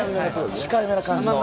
控えめな感じの。